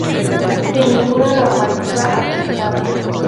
Sin ninguna normativa aceptada.